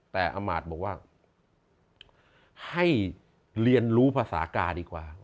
แต่อามาตย์บอกว่าให้เรียนรู้ภาษากาดีกว่า